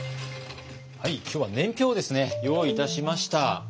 今日は年表をですね用意いたしました。